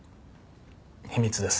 秘密です。